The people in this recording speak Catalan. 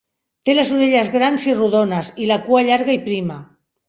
Té les orelles grans i rodones i la cua llarga i prima.